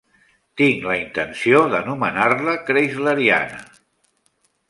Tinc la intenció d'anomenar-la Kreisleriana.